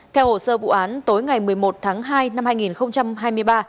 theo hồ sơ vụ án tối ngày một mươi một tháng hai năm hai nghìn hai mươi ba